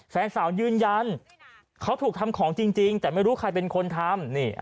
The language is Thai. แฟนสาวยืนยันเขาถูกทำของจริงแต่ไม่รู้ใครเป็นคนทำ